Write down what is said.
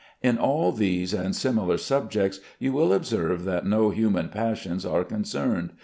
In all these and similar subjects you will observe that no human passions are concerned.